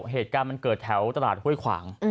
เหตุการณ์มันเกิดแถวตลาดห้วยขวาง